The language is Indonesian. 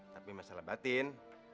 tapi masalah batin